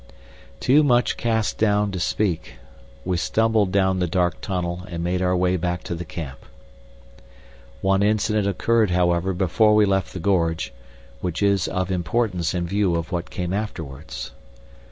Too much cast down to speak, we stumbled down the dark tunnel and made our way back to the camp. One incident occurred, however, before we left the gorge, which is of importance in view of what came afterwards.